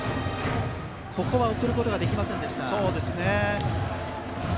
ここは送ることができませんでした。